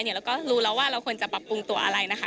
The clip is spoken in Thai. เราก็รู้แล้วว่าเราควรจะปรับปรุงตัวอะไรนะคะ